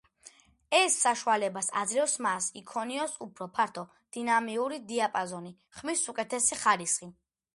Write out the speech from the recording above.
ეს საშუალებას აძლევს მას იქონიოს უფრო ფართო დინამიური დიაპაზონი, ხმის უკეთესი ხარისხი.